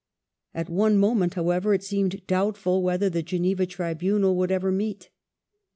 ^ At one moment, however, it seemed doubtful whether the Geneva tribunal would ever meet.